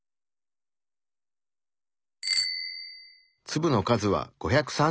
粒の数は５３４。